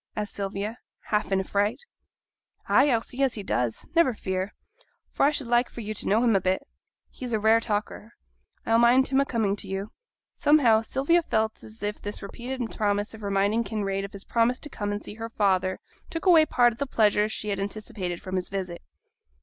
asked Sylvia, half in a fright. 'Ay, I'll see as he does; never fear. For I should like yo' for to know him a bit. He's a rare talker. I'll mind him o' coming to yo'.' Somehow, Sylvia felt as if this repeated promise of reminding Kinraid of his promise to come and see her father took away part of the pleasure she had anticipated from his visit.